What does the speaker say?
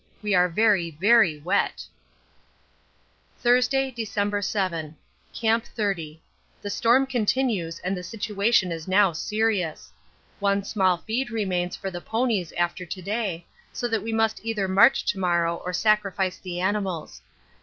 We are very, very wet. Thursday, December 7. Camp 30. The storm continues and the situation is now serious. One small feed remains for the ponies after to day, so that we must either march to morrow or sacrifice the animals.